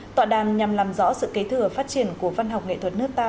tọa đàm nhằm làm rõ sự kế thừa phát triển của văn học nghệ thuật nước ta